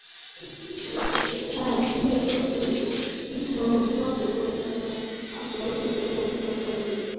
বীরেন্দ্রকৃষ্ণ ভদ্র পরিচালিত চলচ্চিত্রটিতে অভিনয় করেন মাহমুদুর রহমান এবং প্রমদাচরণ সেন।